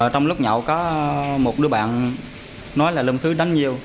trong lúc nhậu có một đứa bạn nói là lâm thứ đánh nhiều